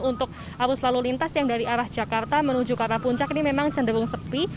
untuk arus lalu lintas yang dari arah jakarta menuju ke arah puncak ini memang cenderung sepi